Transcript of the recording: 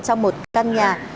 trong một căn nhà